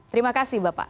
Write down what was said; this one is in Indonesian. terima kasih bapak